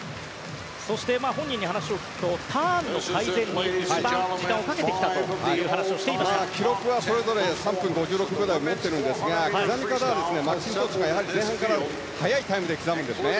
そして、本人に話を聞くとターンの回転に一番時間をかけてきたという記録はそれぞれ３分５６秒台を持っているんですが刻み方はマッキントッシュがやはり前半から速いタイムで刻むんですね。